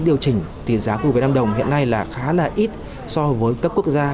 điều chỉnh thì giá của việt nam đồng hiện nay là khá là ít so với các quốc gia